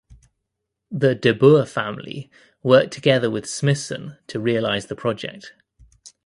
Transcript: The De Boer family worked together with Smithson to realise the project.